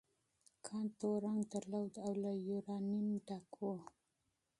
کان تور رنګ درلود او له یورانیم ډک و.